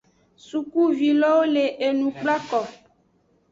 Sukluvi lo le enu kplako.